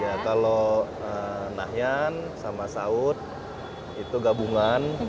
ya kalau nahyan sama saud itu gabungan